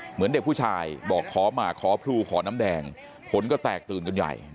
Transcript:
เหมือนเด็กผู้ชายบอกขอหมากขอพรูขอน้ำแดงคนก็แตกตื่นกันใหญ่